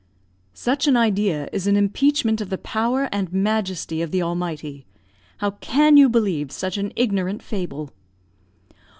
"Such an idea is an impeachment of the power and majesty of the Almighty. How can you believe such an ignorant fable?"